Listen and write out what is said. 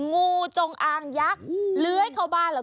งูจงอางยักรเลื้อยเข้าบ้านหรือ